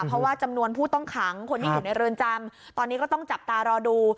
เพราะว่าจำนวนผู้ต้องขังคนที่อยู่ในเรือนจำตอนนี้ก็ต้องจับตารอดู